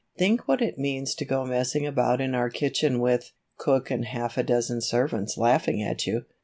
Think what it means to go messing about in our kitchen with, cook and half a dozen servants laughing at you!